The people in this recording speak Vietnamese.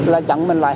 là chặn mình lại